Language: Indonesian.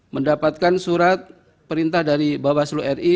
mendapatkan surat perintah dari bawaslu ri